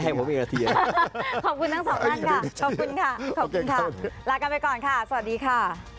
หัวเวียขอบคุณทั้งสองท่านค่ะขอบคุณค่ะขอบคุณค่ะลากันไปก่อนค่ะสวัสดีค่ะ